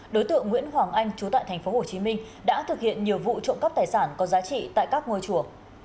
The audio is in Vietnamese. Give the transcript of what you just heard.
đối tượng nguyễn hoàng anh trú tại thành phố hồ chí minh đã thực hiện nhiều vụ trộm cắp tài sản có giá trị tại các ngôi chùa